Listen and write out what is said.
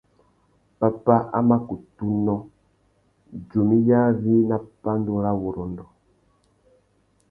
Pápá a má kutu nnô, djumiyari nà pandúrâwurrôndô.